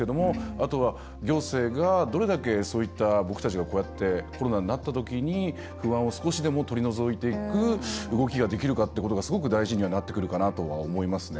あとは行政が、どれだけ僕たちが、こうやってコロナになったときに不安を少しでも取り除いていく動きができるかってことがすごく大事にはなってくるかなとは思いますね。